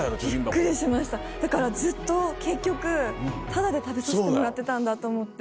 ビックリしましただからずっと結局タダで食べさせてもらってたんだと思って。